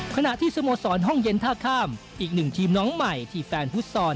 ขณะที่สโมสรห้องเย็นท่าข้ามอีกหนึ่งทีมน้องใหม่ที่แฟนฟุตซอล